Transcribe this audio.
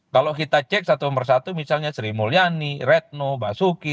kalau kita cek satu persatu misalnya sri mulyani retno basuki